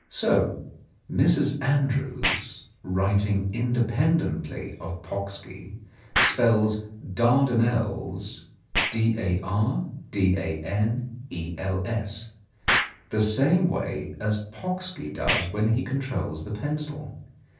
So Mrs. Andrews, writing independently of Pocksky, spells Dardanelles the same way as Pocksky does when he controls the pencil.